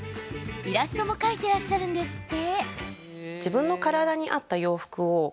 イラストも描いてらっしゃるんですって。